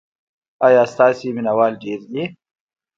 ایا ستاسو مینه وال ډیر دي؟